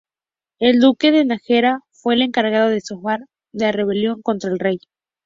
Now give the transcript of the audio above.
El Duque de Nájera fue el encargado de sofocar la rebelión contra el Rey.